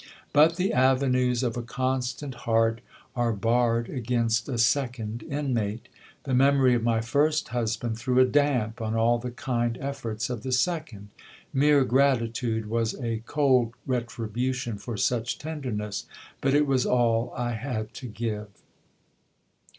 But the avenues of a constant heart are barred against a second inmate. The memory of my first husband threw a damp on all the kind efforts of the second. Mere gratitude was a cold retribution for such tenderness ; but it was all I had to give.